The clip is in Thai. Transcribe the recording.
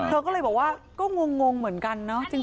เธอก็เลยบอกว่าก็งงเหมือนกันเนาะ